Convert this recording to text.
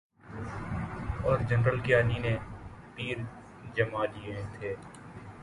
اورجنرل کیانی نے پیر جمالیے تھے۔